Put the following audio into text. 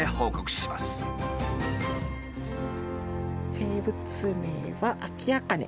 生物名はアキアカネ。